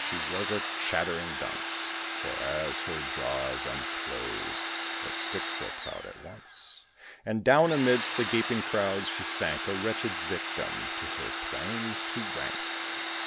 She was a chattering dunce: For as her jaws unclose, the stick slips out at once, And down amidst the gaping crowds she sank, A wretched victim to her claims to rank.